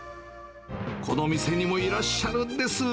この店にもいらっしゃるんです。